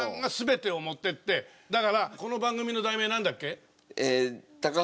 だからこの番組の題名なんだっけ？